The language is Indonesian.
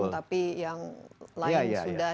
tapi yang lain sudah